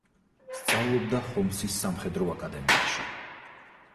სწავლობდა ჰომსის სამხედრო აკადემიაში.